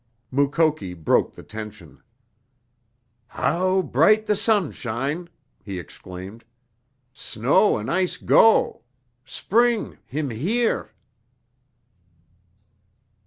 Mukoki broke the tension. "How bright the sun shine!" he exclaimed. "Snow an' ice go. Spring heem here!"